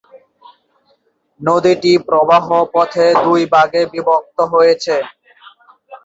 নদীটি প্রবাহ পথে দুই ভাগে বিভক্ত হয়েছে।